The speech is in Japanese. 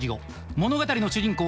物語の主人公